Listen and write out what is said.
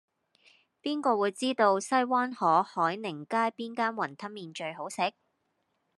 邊個會知道西灣河海寧街邊間雲吞麵最好食